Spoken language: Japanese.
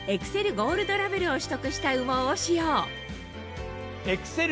ゴールドラベルを取得した羽毛を使用エクセル